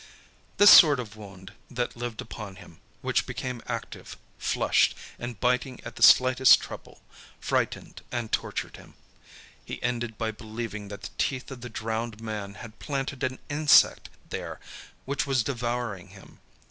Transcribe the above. This sort of wound that lived upon him, which became active, flushed, and biting at the slightest trouble, frightened and tortured him. He ended by believing that the teeth of the drowned man had planted an insect there which was devouring him.